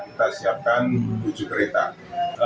kita siapkan tujuh kereta